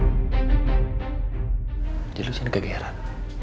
jadi lu siapa yang kegeeran